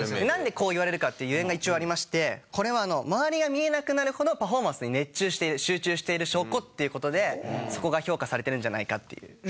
なんでこう言われるかっていうゆえんが一応ありましてこれは周りが見えなくなるほどパフォーマンスに熱中している集中している証拠っていう事でそこが評価されているんじゃないかっていう。